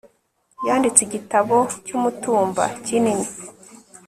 yanditse igitabo cy'umutumba (kinini